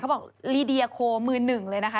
บอกลีเดียโคมือหนึ่งเลยนะคะ